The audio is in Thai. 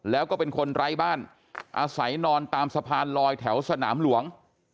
แล้วก็เป็นคนไร้บ้านอาศัยนอนตามสะพานลอยแถวสนามหลวง